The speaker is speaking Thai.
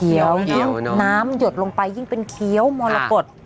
เขียวน้ำหยดลงไปยิ่งเป็นเขียวมรกฎ